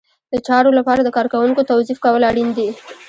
د چارو لپاره د کارکوونکو توظیف کول اړین دي.